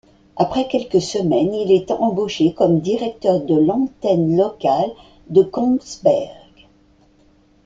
Après quelques semaines, il est embauché comme directeur de l'antenne locale de Kongsberg.